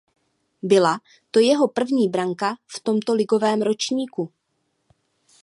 Byla to jeho první branka v tomto ligovém ročníku.